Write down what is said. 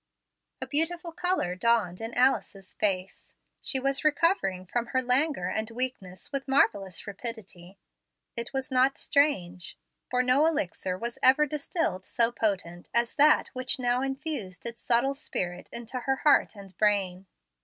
A beautiful color dawned in Alice's face. She was recovering from her languor and weakness with marvellous rapidity. It was not strange, for no elixir was ever distilled so potent as that which now infused its subtile spirit into heart and brain.